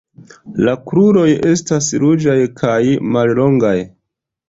La kruroj estas ruĝaj kaj mallongaj.